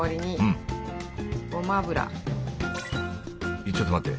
えっちょっと待って。